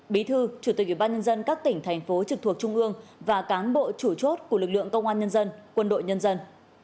bí thư chủ tịch ủy ban nhân dân các tỉnh thành phố trực thuộc trung ương và cán bộ chủ chốt của lực lượng công an nhân dân quân đội nhân dân